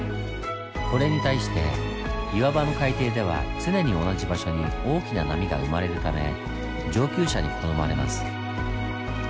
これに対して岩場の海底では常に同じ場所に大きな波が生まれるため上級者に好まれます。